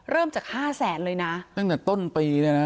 เริ่มจาก๕๐๐๐๐๐บาทเลยนะตั้งแต่ต้นปีเลยน่ะ